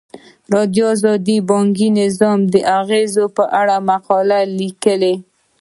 ازادي راډیو د بانکي نظام د اغیزو په اړه مقالو لیکلي.